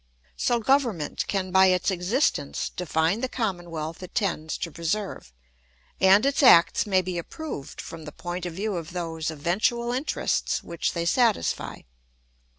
So government can by its existence define the commonwealth it tends to preserve, and its acts may be approved from the point of view of those eventual interests which they satisfy.